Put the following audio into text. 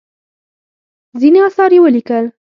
ځینې اثار یې ولیکل.